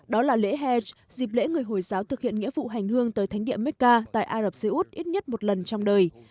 đó là lễ hal dịp lễ người hồi giáo thực hiện nghĩa vụ hành hương tới thánh địa mecca tại ả rập xê út ít nhất một lần trong đời